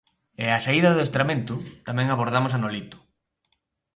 E á saída do adestramento tamén abordamos a Nolito.